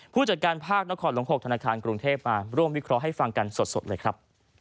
ผู้จัดการภาคนครหลวง๖ธนาคารกรุงเทพมาร่วมวิเคราะห์ให้ฟังกันสดเลยครับ